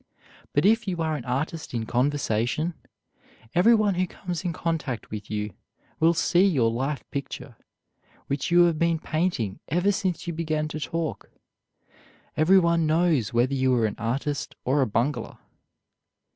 But if you are an artist in conversation, everyone who comes in contact with you will see your life picture, which you have been painting ever since you began to talk. Everyone knows whether you are an artist or a bungler.